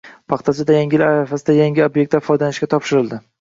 Paxtachida Yangi yil arafasida yangi ob’ektlar foydalanishga topshirildi